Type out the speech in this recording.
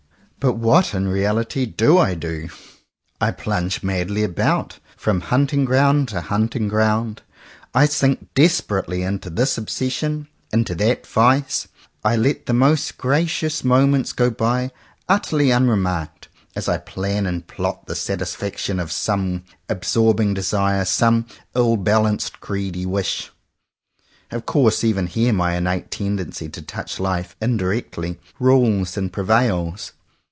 But what in reality do I do? I plunge madly about, from hunting ground to hunting ground. I sink desperately into this obsession, into that vice. I let the most gracious moments go by utterly un remarked as I plan and plot the satisfaction of some absorbing desire, some ill balanced greedy wish. Of course even here my innate tendency to touch life indirectly, rules and prevails.